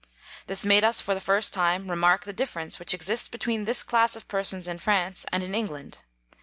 This made us for the first time remark the difference which exists between this class of persons in France and in England.